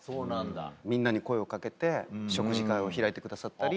みんなに声を掛けて食事会を開いてくださったり。